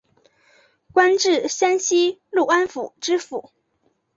官至山西潞安府知府。